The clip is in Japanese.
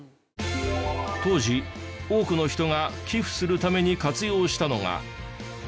当時多くの人が寄付するために活用したのが。